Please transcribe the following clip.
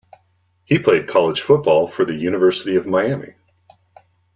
He played college football for the University of Miami.